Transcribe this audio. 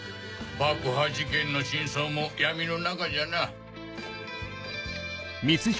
爆破事件の真相も闇の中じゃな。